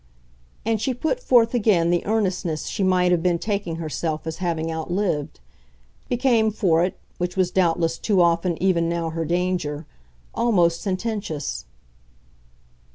And she put forth again the earnestness she might have been taking herself as having outlived; became for it which was doubtless too often even now her danger almost sententious.